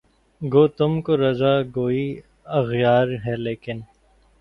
گو تم کو رضا جوئیِ اغیار ہے لیکن